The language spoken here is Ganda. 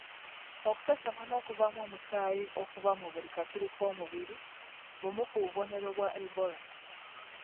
Okusesema n'okuvaamu omusaayi okuva mu buli katuli k'omubiri bumu ku bubonero bwa Ebola.